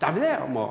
もう。